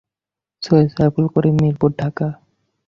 Syed Saiful Karim Mirpur, Dhaka.